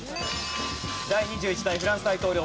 第２１代フランス大統領。